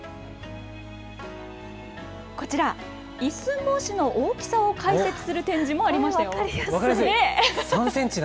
こちら、一寸法師の大きさを解説する展示もありましたよ。